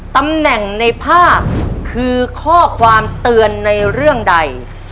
ตำแหน่งในภาพคือข้อความเตือนในเรื่องใด